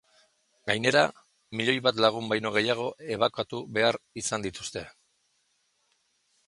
Gainera, milioi bat lagun baino gehiago ebakuatu behar izan dituzte.